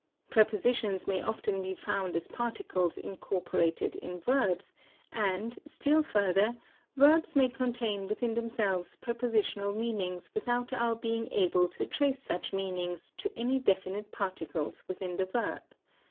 Prepositions may often be found as particles incorporated in verbs, and, still further, verbs may contain within themselves prepositional meanings without our being able to trace such meanings to any definite particles within the verb.